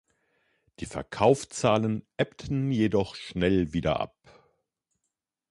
Die Verkaufszahlen ebbten jedoch schnell wieder ab.